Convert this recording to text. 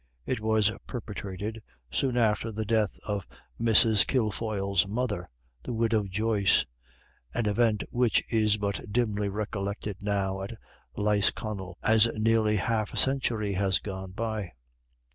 It was perpetrated soon after the death of Mrs. Kilfoyle's mother, the Widow Joyce, an event which is but dimly recollected now at Lisconnel, as nearly half a century has gone by.